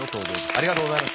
ありがとうございます